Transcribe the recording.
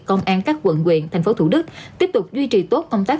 công an các quận quyện tp thủ đức tiếp tục duy trì tốt công tác